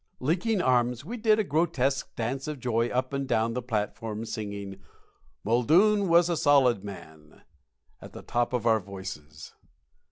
Linking arms, we did a grotesque dance of joy up and down the platform, singing "Muldoon Was a Solid Man" at the top of our voices.